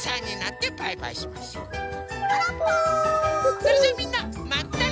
それじゃあみんなまたね！